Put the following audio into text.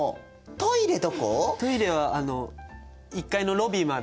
トイレはあの１階のロビーまで。